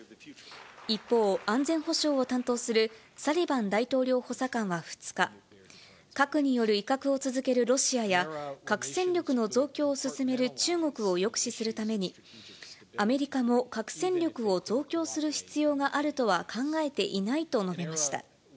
一方、安全保障を担当するサリバン大統領補佐官は２日、核による威嚇を続けるロシアや、核戦力の増強を進める中国を抑止するために、アメリカも核戦力を増強する必要があるとは考えていないと述べました。